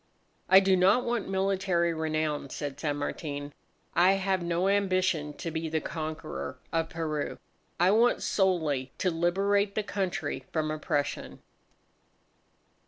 "I do not want military renown," said San Martin, "I have no ambition to be the conqueror of Peru. I want solely to liberate the country from oppression."